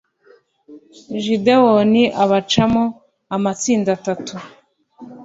gideyoni abacamo amatsinda atatu